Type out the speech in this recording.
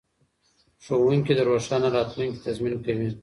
ښوونکي د روښانه راتلونکي تضمین کوي.